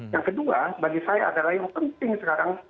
yang kedua bagi saya adalah yang penting sekarang